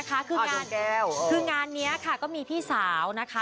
เอ่ารับแววคืองานคืองานเนี้ยค่ะก็มีพี่สาวนะคะ